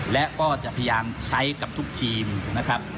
และก็จะพยายามใช้กับทุกทีมนะครับ